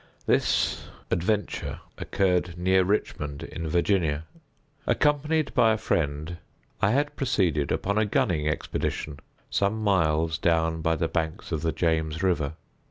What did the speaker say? This adventure occurred near Richmond, in Virginia. Accompanied by a friend, I had proceeded, upon a gunning expedition, some miles down the banks of the James River.